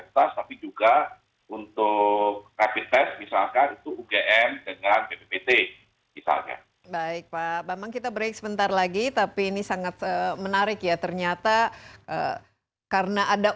tapi ada juga yang di